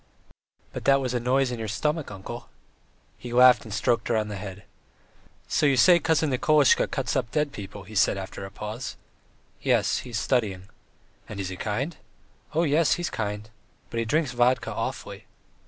"But that was a noise in your stomach, uncle." He laughed and stroked her on the head. "So you say Cousin Nikolasha cuts up dead people?" he asked after a pause. "Yes, he is studying." "And is he kind?" "Oh, yes, he's kind. But he drinks vodka awfully."